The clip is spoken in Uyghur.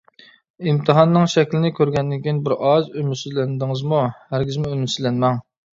ئىمتىھاننىڭ شەكلىنى كۆرگەندىن كېيىن، بىر ئاز ئۈمىدسىزلەندىڭىزمۇ؟ ھەرگىزمۇ ئۈمىدسىزلەنمەڭ.